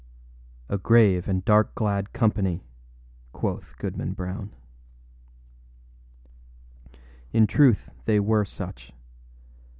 âA grave and dark clad company,â quoth Goodman Brown. In truth they were such.